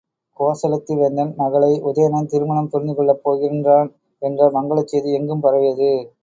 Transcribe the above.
கோசலத்து வேந்தன் மகளை உதயணன் திருமணம் புரிந்துகொள்ளப் போகின்றான் என்ற மங்கலச் செய்தி எங்கும் பரவியது.